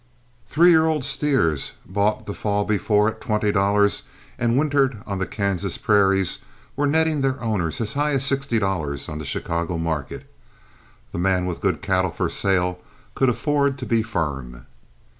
Three year old steers bought the fall before at twenty dollars and wintered on the Kansas prairies were netting their owners as high as sixty dollars on the Chicago market. The man with good cattle for sale could afford to be firm.